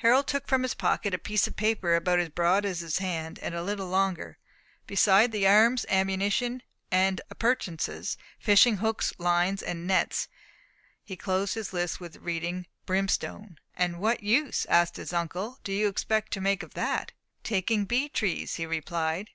Harold took from his pocket a piece of paper about as broad as his hand, and a little longer. Besides the arms, ammunition and appurtenances, fishing hooks, lines and nets, he closed his list with reading "brimstone." "And what use," asked his uncle, "do you expect to make of that?" "Taking bee trees," he replied.